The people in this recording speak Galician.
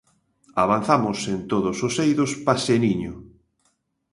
Avanzamos en todos os eidos paseniño.